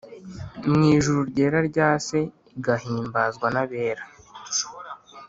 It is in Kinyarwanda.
mw ijuru ryera rya se, igahimbazwa n'abera